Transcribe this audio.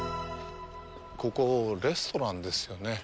ここ、レストランですよね？